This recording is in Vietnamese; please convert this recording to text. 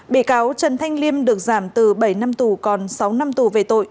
bị cáo trần thanh liêm được giảm từ bảy năm tù còn sáu năm tù về tội